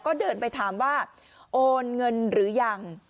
ก็เดินไปถามว่าโอนเงินหรือยัง